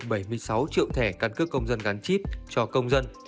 công an đã cấp trên tám mươi ba bảy mươi sáu triệu thẻ căn cước công dân gắn chip cho công dân